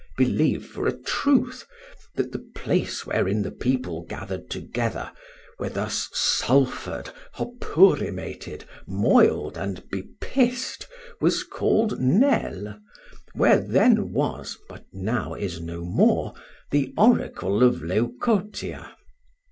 Believe for a truth, that the place wherein the people gathered together, were thus sulphured, hopurymated, moiled, and bepissed, was called Nesle, where then was, but now is no more, the oracle of Leucotia.